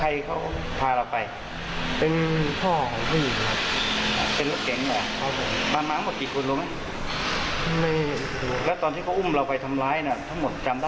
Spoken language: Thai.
เยอะอยู่ครับ๔๕คนครับ